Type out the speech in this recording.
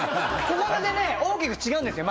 この間でね大きく違うんですよ